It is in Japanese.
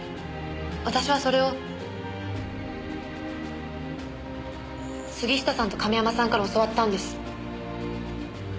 私はそれを杉下さんと亀山さんから教わったんです。